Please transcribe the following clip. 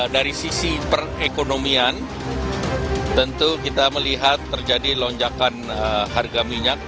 dari sisi perekonomian tentu kita melihat terjadi lonjakan harga minyak